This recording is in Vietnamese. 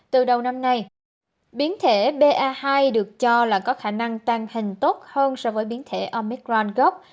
từ đầu năm nay biến thể ba hai được cho là có khả năng tăng hình tốt hơn so với biến thể omicran gốc